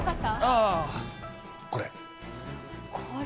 ああ、これ。